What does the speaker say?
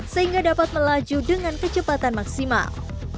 sehingga dapat melaju dengan kecepatan maksimal